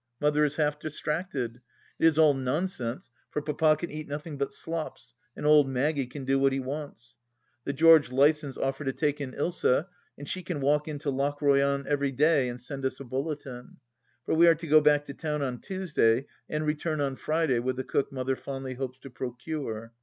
Mother is half distracted. It is all nonsense, for Papa can eat nothing but slops, and old Maggie can do what he wants. The (Jeorge Lysons offer to take in Usa, and she can walk in to Lochroyan every day and send us a bulle tin. For we are to go back to town on Tuesday, and return on Friday with the cook Mother fondly hopes to procure.